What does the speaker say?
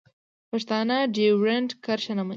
پښتانه ډیورنډ کرښه نه مني.